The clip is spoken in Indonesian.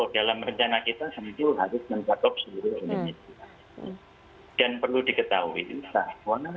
dalam rencana kita tentu harus mencakup seluruh indonesia